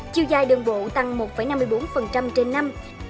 chiều dài đường bộ tăng một năm mươi bốn trên năm